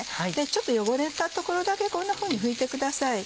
ちょっと汚れた所だけこんなふうに拭いてください。